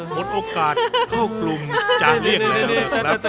หมดโอกาสเข้ากลุ่มจ่าเรียกนะ